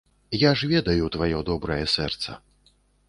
Я ж ведаю тваё добрае сэрца.